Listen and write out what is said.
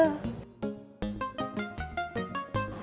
kamu gak malu